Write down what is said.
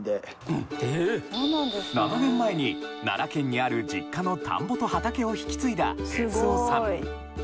７年前に奈良県にある実家の田んぼと畑を引き継いだ哲夫さん